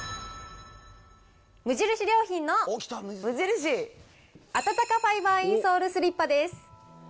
無印良品のあたたかファイバーインソールスリッパです。